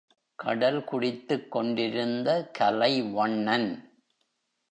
கடல்குடித்துக் கொண்டிருந்த கலைவண்ணன்